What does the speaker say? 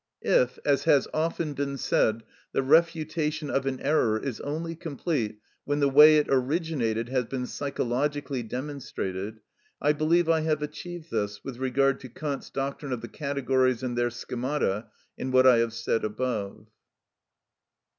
If, as has often been said, the refutation of an error is only complete when the way it originated has been psychologically demonstrated, I believe I have achieved this, with regard to Kant's doctrine of the categories and their schemata, in what I have said above.